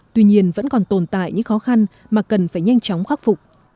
tuy nhiên vẫn còn tồn tại những khó khăn mà cần phải nhanh chóng khắc phục